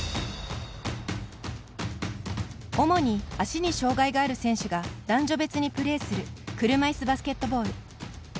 主に足に障がいがある選手が男女別にプレーする車いすバスケットボール。